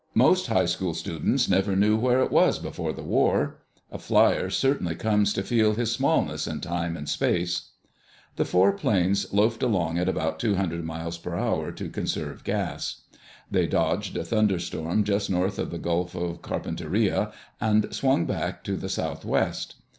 Most high school students never knew where it was before the war. A flier certainly comes to feel his smallness in time and space!" The four planes loafed along at about 200 m.p.h., to conserve gas. They dodged a thunder storm just north of the Gulf of Carpenteria and swung back to the southwest.